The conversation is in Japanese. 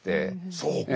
そうか。